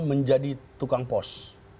menjadi tukang pos